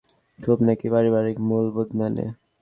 খুব নাকি পারিবারিক মূল্যবোধ মানে।